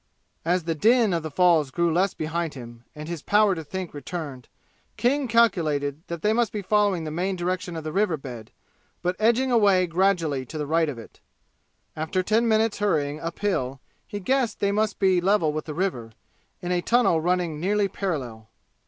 As the din of the falls grew less behind him and his power to think returned, King calculated that they must be following the main direction of the river bed, but edging away gradually to the right of it. After ten minutes' hurrying uphill he guessed they must be level with the river, in a tunnel running nearly parallel.